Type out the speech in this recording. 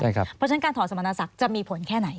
เพราะฉะนั้นการถอดสมณศักดิ์จะมีผลแค่ไหน